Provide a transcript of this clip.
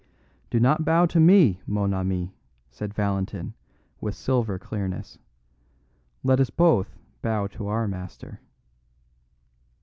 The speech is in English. "Do not bow to me, mon ami," said Valentin with silver clearness. "Let us both bow to our master."